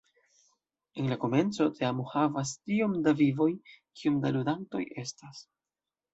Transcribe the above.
En la komenco teamo havas tiom da "vivoj", kiom da ludantoj estas.